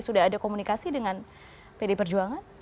sudah ada komunikasi dengan pd perjuangan